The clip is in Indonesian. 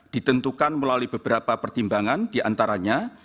ditentukan melalui beberapa pertimbangan diantaranya